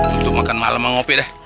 untuk makan malem sama ngopi deh